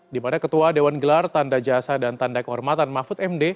di mana ketua dewan gelar tanda jasa dan tanda kehormatan mahfud md